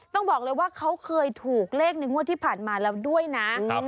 ต้องบอกเลยว่าเขาเคยถูกเลขในงวดที่ผ่านมาแล้วด้วยนะ